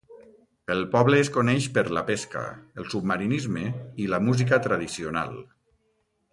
El poble es coneix per la pesca, el submarinisme i la música tradicional.